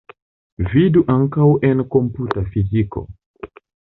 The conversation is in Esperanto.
Vidu ankaŭ en komputa fiziko.